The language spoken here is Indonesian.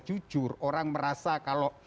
jujur orang merasa kalau